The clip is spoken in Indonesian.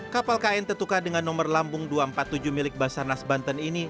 kapal kn tetuka dengan nomor lambung dua ratus empat puluh tujuh milik basarnas banten ini